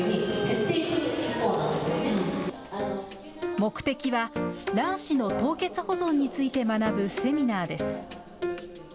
目的は、卵子の凍結保存について学ぶセミナーです。